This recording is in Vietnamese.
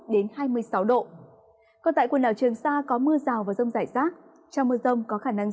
đến hai mươi sáu độ còn tại quần đảo trường sa có mưa rào và rông rải rác trong mưa rông có khả năng xảy